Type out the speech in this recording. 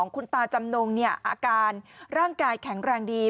คุณตาจำนงอาการร่างกายแข็งแรงดี